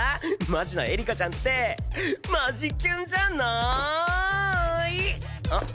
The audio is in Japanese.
マジなエリカちゃんってマジキュンじゃない？あっ。